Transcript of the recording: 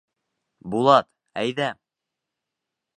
Булат, әйҙә!